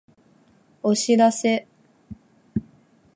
お知らせ